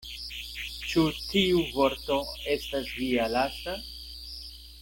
Ĉu tiu vorto estas via lasta?